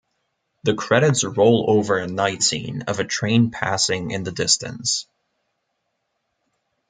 The credits roll over a night scene of a train passing in the distance.